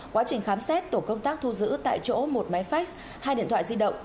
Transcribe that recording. quá trình khám xét tổ công tác thu giữ tại chỗ một máy fax hai điện thoại di động